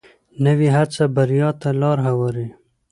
نوې هڅه بریا ته لار هواروي